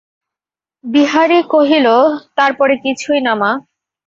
বিহারী কহিল, তার পরে কিছুই না মা।